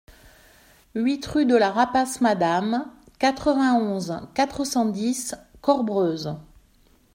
huit rue de la Rapasse Madame, quatre-vingt-onze, quatre cent dix, Corbreuse